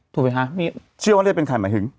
ถูกไหมฮะไม่เชื่อว่าน่าจะเป็นใครหมายถึง